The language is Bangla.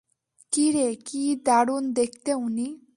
কিরে, কি দারুণ দেখতে উনি!